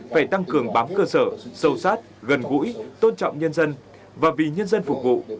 phải tăng cường bám cơ sở sâu sát gần gũi tôn trọng nhân dân và vì nhân dân phục vụ